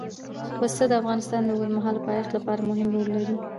پسه د افغانستان د اوږدمهاله پایښت لپاره مهم رول لري.